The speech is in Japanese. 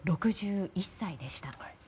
６１歳でした。